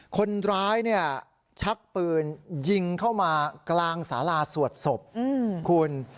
คนร้ายเนี่ยชักปืนยิงเข้ามากลางสาราสวดศพคุณ